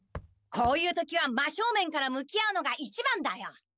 こういう時は真正面から向き合うのが一番だよ。